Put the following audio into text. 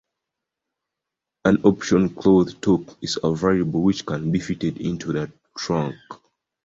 An optional cloth top is available, which can be fitted into the trunk.